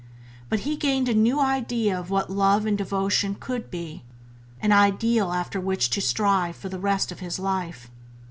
But he gained a new idea of what love and devotion could be — an ideal after which to strive for the rest of his life.